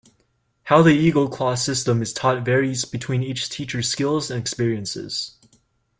How the Eagle Claw system is taught varies between each teacher's skill and experiences.